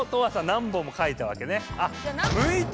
何本もかいたわけね。